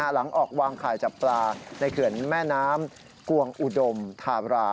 หลังออกวางข่ายจับปลาในเขื่อนแม่น้ำกวงอุดมธารา